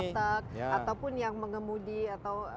ataupun yang mengemudi atau